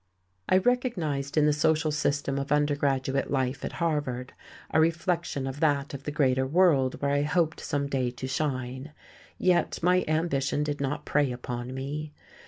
I recognized in the social system of undergraduate life at Harvard a reflection of that of a greater world where I hoped some day to shine; yet my ambition did not prey upon me.